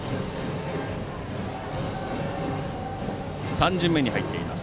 ３巡目に入っています